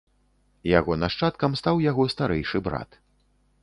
Яго нашчадкам стаў яго старэйшы брат.